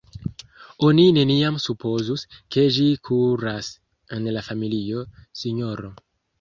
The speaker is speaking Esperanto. Oni neniam supozus, ke ĝi kuras en la familio, sinjoro.